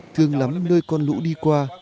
thương lắm nơi con lũ đi qua